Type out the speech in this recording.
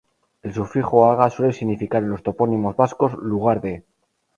El sufijo "-aga" suele significar en los topónimos vascos "lugar de".